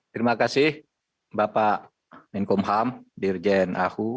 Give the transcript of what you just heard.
terima kasih bapak menko moham dirjen ahu